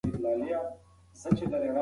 د پټې خزانې په کتاب کې د ملکیار شعر خوندي دی.